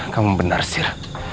kamu benar sir